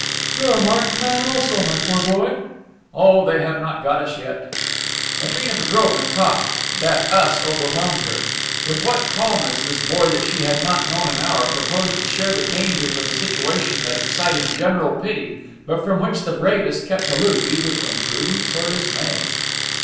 "You are a marked man also, my poor boy." "Oh, they have not got us yet." Matrena Petrovna coughed. That us overwhelmed her. With what calmness this boy that she had not known an hour proposed to share the dangers of a situation that excited general pity but from which the bravest kept aloof either from prudence or dismay.